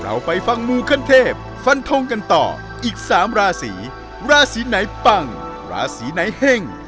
เราไปฟังมูขั้นเทพฟันทงกันต่ออีกสามราศีราศีไหนปังราศีไหนเฮ่ง